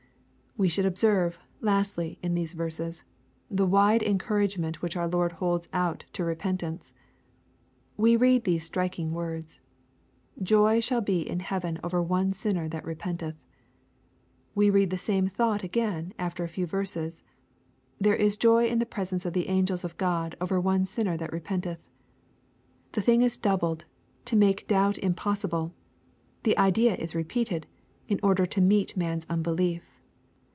We should observe, lastly, in these verses, the. wide encouragement which our Lord holds out to repentance. We read these striking words, "Joy shall be in heaven over one sinner that repenteth." We read the same thought again after a few verses :'^ There is joy in the presence of the angels of God over one sinner that repent eth." The thing is doubled, to make doubt impossible. The idea is repeated, in' order to meet man's unbelief.